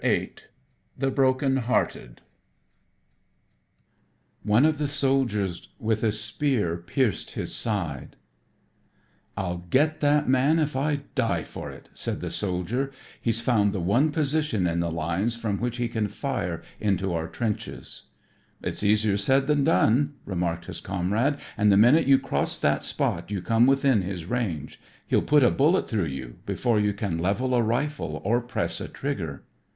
VIII The Broken Hearted "ONE OF THE SOLDIERS WITH A SPEAR PIERCED HIS SIDE" VIII The Broken Hearted "I'll get that man if I die for it," said the soldier. "He's found the one position in the lines from which he can fire into our trenches." "It's easier said than done," remarked his comrade, "and the minute you cross that spot you come within his range. He'll put a bullet through you before you can level a rifle or press a trigger."